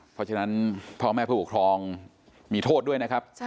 เพราะฉะนั้นพ่อแม่ผู้ปกครองมีโทษด้วยนะครับ